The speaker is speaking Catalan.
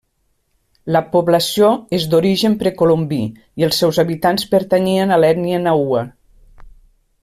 La població és d'origen precolombí, i els seus habitants pertanyien a l'ètnia nahua.